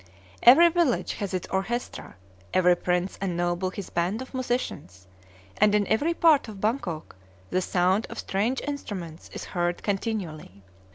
Every village has its orchestra, every prince and noble his band of musicians, and in every part of Bangkok the sound of strange instruments is heard continually.